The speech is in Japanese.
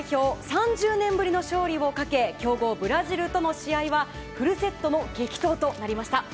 ３０年ぶりの勝利をかけ強豪ブラジルとの試合はフルセットの激闘となりました。